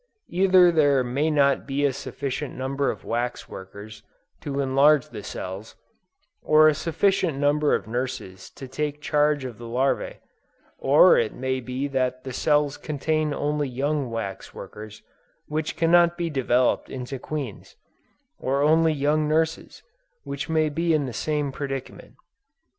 Either there may not be a sufficient number of wax workers, to enlarge the cells, or a sufficient number of nurses to take charge of the larvæ; or it may be that the cells contain only young wax workers which cannot be developed into queens, or only young nurses, which may be in the same predicament.